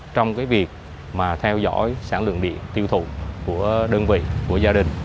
trong cái việc mà theo dõi sản lượng điện tiêu thụ của đơn vị của gia đình